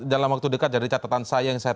dalam waktu dekat dari catatan saya yang saya